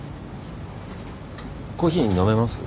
コーヒー飲めます？